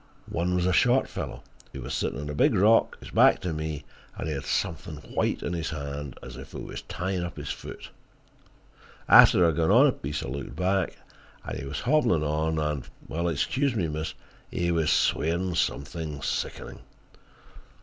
One was a short fellow. He was sitting on a big rock, his back to me, and he had something white in his hand, as if he was tying up his foot. After I'd gone on a piece I looked back, and he was hobbling on and—excuse me, miss—he was swearing something sickening."